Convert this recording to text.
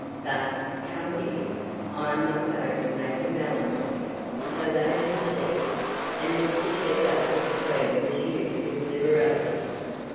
But come, dears, I am not going to make you melancholy." So they had tea, and Mr. Cheesacre's cream was used with liberality.